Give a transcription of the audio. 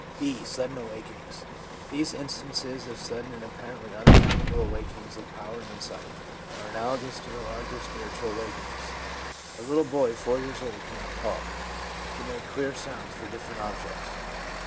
(b) Sudden Awakenings. These instances of sudden and apparently unaccount able awakenings of power and insight are analogous to the larger spiritual awakenings :' A little boy four years *old could not talk; he made queer sounds for different objects.